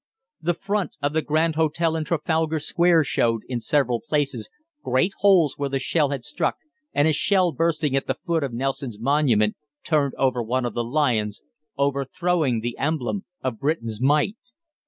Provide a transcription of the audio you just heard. The front of the Grand Hotel in Trafalgar Square showed, in several places, great holes where the shell had struck, and a shell bursting at the foot of Nelson's Monument turned over one of the lions overthrowing the emblem of Britain's might!